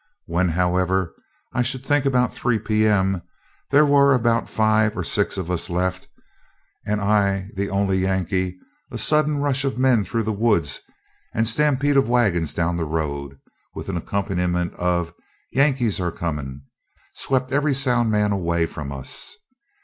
When, however, I should think about 3 P.M., there were about five or six of us left, and I the only Yankee, a sudden rush of men through the woods and stampede of wagons down the road, with an accompaniment of "Yankees are coming!" swept every sound man away from us.